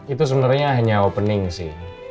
itu sebenarnya hanya opening sih